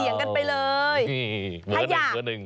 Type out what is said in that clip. หาเสียงกันไปเลย